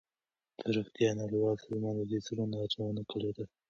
د روغتیا نړیوال سازمان د دې څېړنو ارزونه کړې ده.